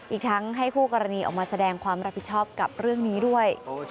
อีกทั้งให้คู่กรณีออกมาแสดงความรับผิดชอบกับเรื่องนี้ด้วย